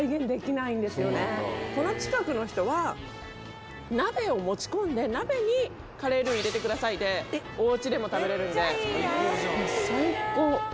この近くの人は鍋を持ち込んで鍋にカレールウ入れてくださいでお家でも食べれるんでもう最高。